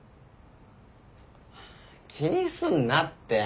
気にすんなって。